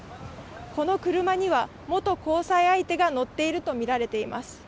この車には元交際相手が乗っているとみられています。